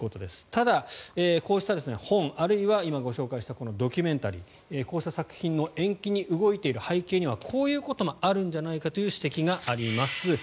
ただ、こうした本、あるいは今ご紹介したドキュメンタリーこうした作品の延期に動いている背景にはこういうこともあるんじゃないかという指摘があります。